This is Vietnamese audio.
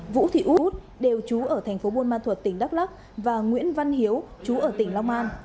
vũ thị út đều trú ở tp buôn ma thuật tỉnh đắk lắk và nguyễn văn hiếu trú ở tỉnh long an